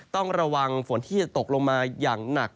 ต้องระวังฝนที่จะตกลงมาอย่างหนัก